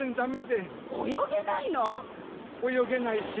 泳げないし。